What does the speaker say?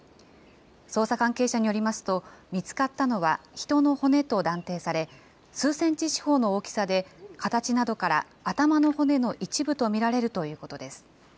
捜査関係者によりますと、見つかったのは人の骨と断定され、数センチ四方の大きさで、形などから頭の骨の一部と見られるということです。